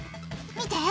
見て！